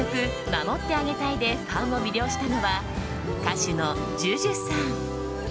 「守ってあげたい」でファンを魅了したのは歌手のＪＵＪＵさん。